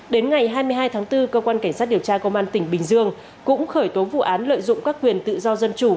đến ngày hai mươi hai tháng bốn cơ quan cảnh sát điều tra công an tỉnh bình dương cũng khởi tố vụ án lợi dụng các quyền tự do dân chủ